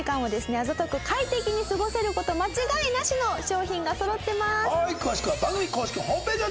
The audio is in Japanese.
あざとく快適に過ごせる事間違いなしの商品がそろってます。